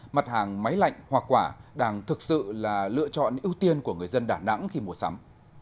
mặt hàng máy lạnh hoa quả đang thực sự là lựa chọn ưu tiên của người dân đà nẵng khi mua sắm